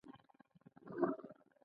لمسی له خپلو مشرانو زدهکړه کوي.